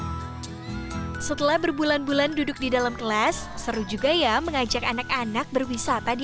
hai setelah berbulan bulan duduk di dalam kelas seru juga ya mengajak anak anak berwisata di